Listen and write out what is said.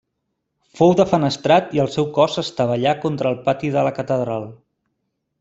Fou defenestrat i el seu cos s'estavellà contra el pati de la catedral.